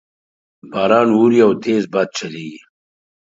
باران اوري او تیز باد چلیږي